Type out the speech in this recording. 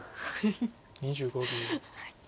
２５秒。